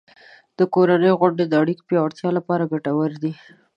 د کورنۍ غونډې د اړیکو پیاوړتیا لپاره ګټورې دي.